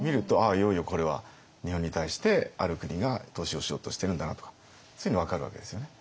いよいよこれは日本に対してある国が投資をしようとしてるんだなとかそういうの分かるわけですよね。